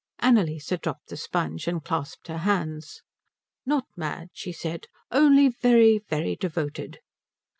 Annalise dropped the sponge and clasped her hands. "Not mad," she said, "only very, very devoted."